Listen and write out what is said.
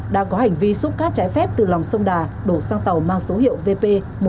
đã có hành vi xúc cát trái phép từ lòng sông đà đổ sang tàu mang số hiệu vp một nghìn ba trăm sáu mươi tám